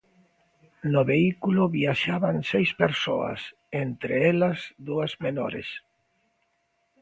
No vehículo viaxaban seis persoas, entres elas dúas menores.